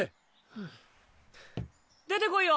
ふぅ出てこいよ。